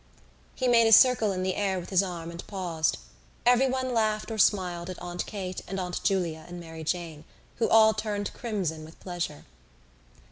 He made a circle in the air with his arm and paused. Everyone laughed or smiled at Aunt Kate and Aunt Julia and Mary Jane who all turned crimson with pleasure.